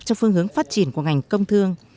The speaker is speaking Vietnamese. cho phương hướng phát triển của ngành công thương